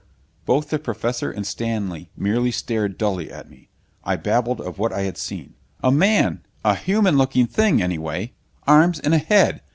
Both the Professor and Stanley merely stared dully at me. I babbled of what I had seen. "A man! A human looking thing, anyway! Arms and a head!